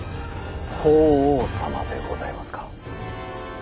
法皇様でございますか。